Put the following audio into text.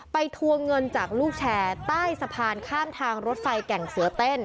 ทวงเงินจากลูกแชร์ใต้สะพานข้ามทางรถไฟแก่งเสือเต้น